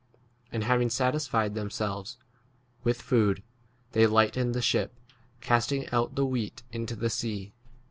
And having satisfied themselves with food, they lightened the ship, cast ing out the wheat into the sea.